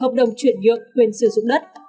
hợp đồng chuyển nhượng quyền sử dụng đất